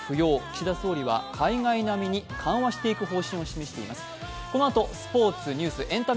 岸田総理は海外並みに緩和していく方針を示しています。